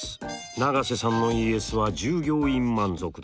永瀬さんのＥＳは従業員満足度。